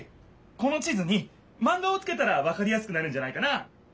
この地図にマンガをつけたらわかりやすくなるんじゃないかな。